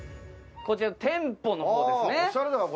こちら店舗の方ですね。